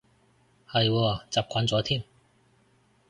係喎，習慣咗添